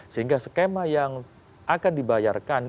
sehingga skema yang akan dibayarkan